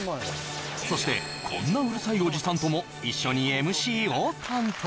そしてこんなうるさいおじさんとも一緒にＭＣを担当。